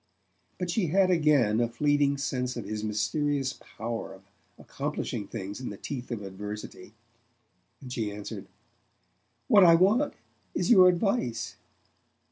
But she had again a fleeting sense of his mysterious power of accomplishing things in the teeth of adversity; and she answered: "What I want is your advice."